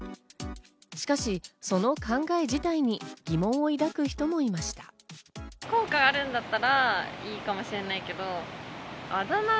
しかし、その考え自体に疑問を抱く人もいました。